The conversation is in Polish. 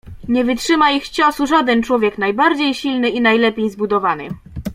"Nie wytrzyma ich ciosu żaden człowiek najbardziej silny i najlepiej zbudowany."